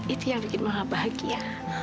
itu yang bikin maha bahagia